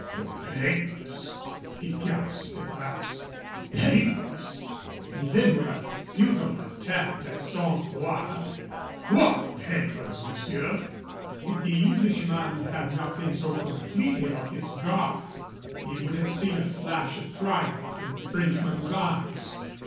"The papers!" he gasped at last. "The papers!" And then with a futile attempt at sang froid, "What papers, monsieur?" If the Englishman had not been so completely off his guard he would have seen a flash of triumph in the Frenchman's eyes.